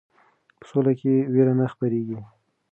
په سوله کې ویره نه خپریږي.